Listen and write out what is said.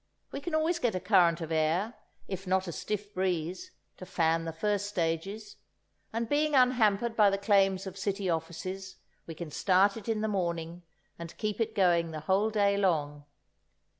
We can always get a current of air, if not a stiff breeze, to fan the first stages; and being unhampered by the claims of city offices, we can start it in the morning, and keep it going the whole day long.